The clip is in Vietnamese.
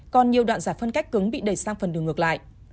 còn nhiều đoạn giải phân cách cứng bị đẩy sang phần đường ngược lại